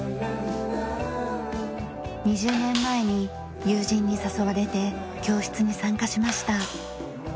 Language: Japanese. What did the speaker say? ２０年前に友人に誘われて教室に参加しました。